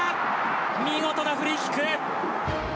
見事なフリーキック。